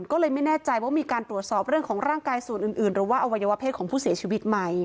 ก็เลยไม่แน่ใจว่ามีการตรวจสอบเรื่องของร่างกายส่วนอื่นหรือว่าอวัยวะเพศของผู้เสียชีวิตไหม